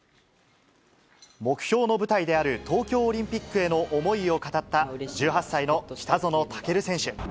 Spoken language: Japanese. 目標の舞台である東京オリンピックへの思いを語った、１８歳の北園丈琉選手。